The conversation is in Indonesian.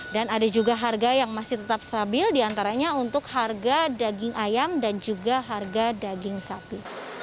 dan ada juga harga yang masih tetap stabil di antaranya untuk harga daging ayam dan juga harga daging sapi